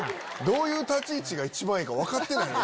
どういう立ち位置が一番いいか分かってない！